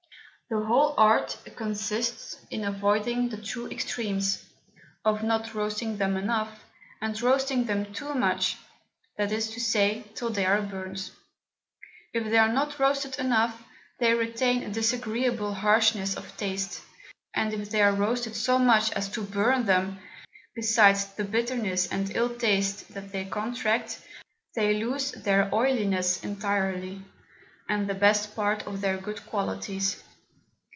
The whole Art consists in avoiding the two Extremes, of not roasting them enough, and roasting them too much; that is to say, till they are burnt. If they are not roasted enough, they retain a disagreeable Harshness of Taste; and if they are roasted so much as to burn them, besides the Bitterness and ill Taste that they contract, they lose their Oilyness entirely, and the best part of their good Qualities.